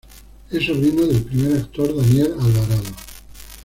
Es sobrino del primer actor Daniel Alvarado.